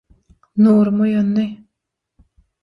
Nurum oýandy.